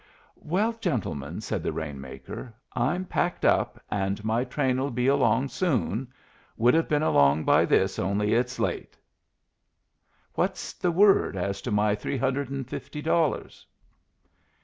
"Well, gentlemen," said the rain maker, "I'm packed up, and my train'll be along soon would have been along by this, only it's late. What's the word as to my three hundred and fifty dollars?"